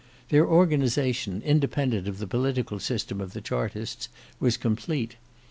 Their organisation, independent of the political system of the Chartists, was complete.